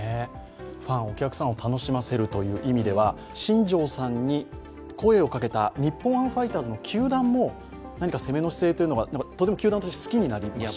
ファン、お客さんを楽しませるという意味では新庄さんに声をかけた日本ハムファイターズの球団も攻めの姿勢が球団として好きになりました。